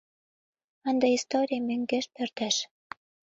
Ынде историй мӧҥгеш пӧрдеш...